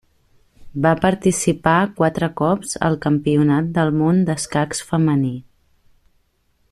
Va participar quatre cops al Campionat del món d'escacs femení.